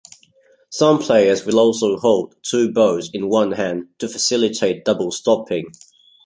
Some players will also hold two bows in one hand to facilitate double-stopping.